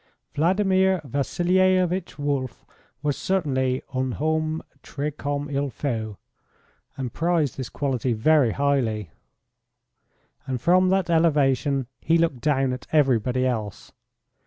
Vladimir Vasilievitch Wolf was certainly un homme tres comme il faut, and prized this quality very highly, and from that elevation he looked down at everybody else.